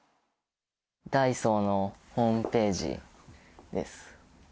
ダイソーのホームページです。